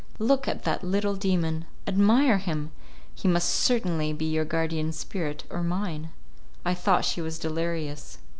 Look at that little demon; admire him! He must certainly be your guardian spirit or mine." I thought she was delirious.